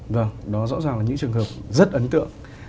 vâng đó rõ ràng là những trường hợp rất ấn tượng